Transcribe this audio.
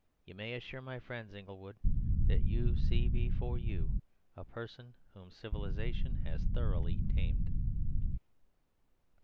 You may assure my friends, Inglewood, that you see before you a person whom civilization has thoroughly tamed."